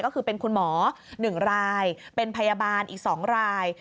ก็คือเป็นคุณหมอ๑รายเป็นพยาบาลอีก๒ราย